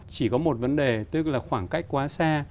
chỉ có một vấn đề tức là khoảng cách quá xa